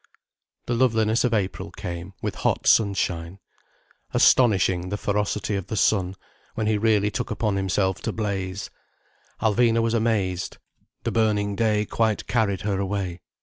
The loveliness of April came, with hot sunshine. Astonishing the ferocity of the sun, when he really took upon himself to blaze. Alvina was amazed. The burning day quite carried her away.